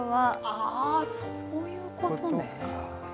ああ、そういうことね。